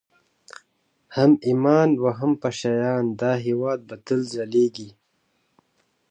هم ايـــماق و هم پـــشــه یــــیــان، دا هـــیــواد به تــل ځلــــــیــــږي